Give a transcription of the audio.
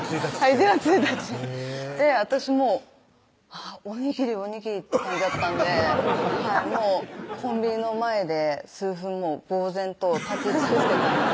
１月１日私もうおにぎりおにぎりって感じだったんでもうコンビニの前で数分呆然と立ち尽くしてたんです